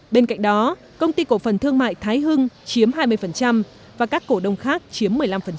bên cạnh đó công ty cổ phần thương mại thái hưng chiếm hai mươi và các cổ đông khác chiếm một mươi năm